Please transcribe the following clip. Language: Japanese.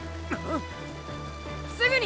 すぐに！